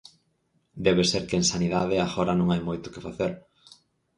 Debe ser que en sanidade agora non hai moito que facer.